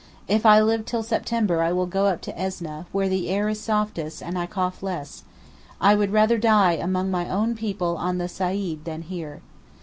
If I live till September I will go up to Esneh, where the air is softest and I cough less; I would rather die among my own people on the Saeed than here.